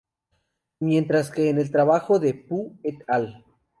Mientras que en el trabajo de Pu "et al.